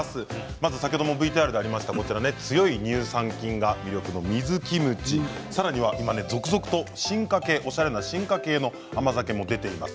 まず先ほどもＶＴＲにありました強い乳酸菌が魅力の水キムチ、さらには今続々と進化形おしゃれな進化形の甘酒も出ています。